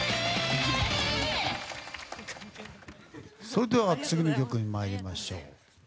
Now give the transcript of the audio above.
それでは次の曲に参りましょう。